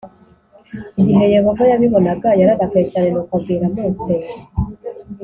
Igihe yehova yabibonaga yararakaye cyane nuko abwira mose